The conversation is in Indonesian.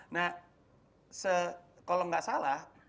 nah kalau nggak salah